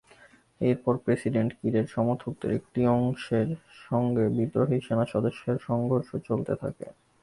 এরপর প্রেসিডেন্ট কিরের সমর্থকদের একটি অংশের সঙ্গে বিদ্রোহী সেনাসদস্যদের সংঘর্ষ চলতে থাকে।